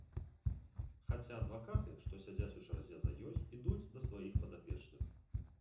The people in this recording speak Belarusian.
Хаця адвакаты, што сядзяць у чарзе за ёй, ідуць да сваіх падапечных.